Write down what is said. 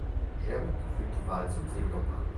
Jerry gewinnt die Wahl zum Seniorpartner.